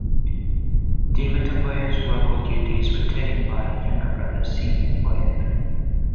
Dimiter Voev's vocal duties were taken by younger brother Simeon Voev.